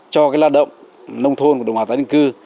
cho lao động nông thôn của đồng hồ tái định cư